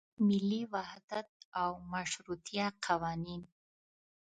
ملي وحدت او مشروطیه قوانین.